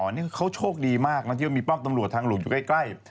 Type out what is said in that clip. นี่เขาโชคดีมากนะที่ว่ามีป้อมตำรวจทางหลวงอยู่ใกล้